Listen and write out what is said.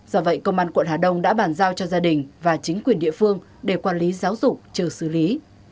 do vậy công an quận hà đông đã bàn giao cho gia đình và chính quyền địa phương để quản lý giáo dục chờ xử lý